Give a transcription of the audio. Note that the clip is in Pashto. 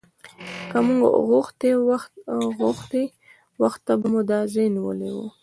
که موږ غوښتی وخته به مو دا ځای نیولی و.